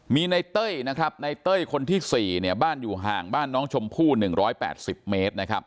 มีในเต้ยคนที่๔บ้านอยู่ห่างบ้านน้องชมพู่๑๘๐เมตร